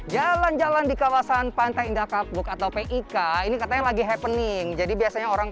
jalan jalan di kawasan pantai indah kapuk atau pik ini katanya lagi happening jadi biasanya orang